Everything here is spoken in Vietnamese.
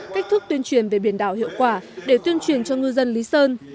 cách thức tuyên truyền về biển đảo hiệu quả để tuyên truyền cho ngư dân lý sơn